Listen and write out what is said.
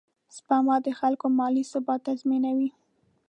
سپما د خلکو مالي ثبات تضمینوي.